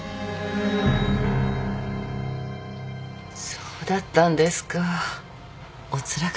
そうだったんですかおつらかったですね。